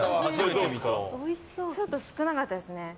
ちょっと少なかったですね。